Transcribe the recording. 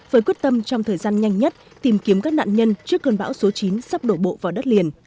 với quyết tâm trong thời gian nhanh nhất tìm kiếm các nạn nhân trước cơn bão số chín sắp đổ bộ vào đất liền